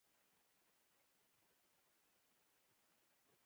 د هلمند په کجکي کې د یورانیم نښې شته.